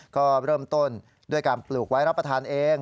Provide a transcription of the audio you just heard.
ก็เริ่มต้นด้วยการปลูกไว้รับประทานเอง